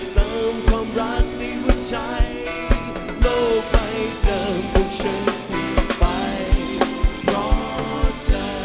เติมความรักในหัวใจโลกไปเดินคนฉันมีไปเพราะเธอ